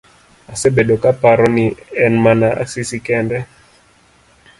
Asebedo kaparo ni en mana Asisi kende.